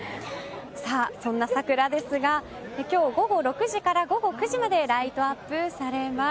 そんな桜ですが今日午後６時から午後９時までライトアップされます。